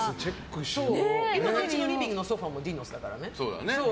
今、うちのリビングのソファもディノスだからね。